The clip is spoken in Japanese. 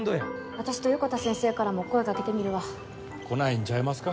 私と横田先生からも声かけてみるわ来ないんちゃいますか？